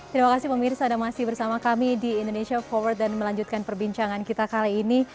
terima kasih pemirsa ada masih bersama kami di indonesia forward dan melanjutkan perbincangan kita kali ini